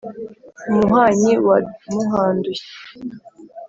muhanyi wa muhandushyi